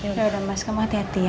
udah udah mas kamu hati hati ya